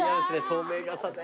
透明傘で。